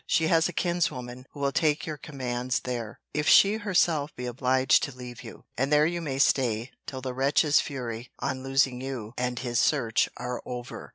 She has a kinswoman, who will take your commands there, if she herself be obliged to leave you. And there you may stay, till the wretch's fury, on losing you, and his search, are over.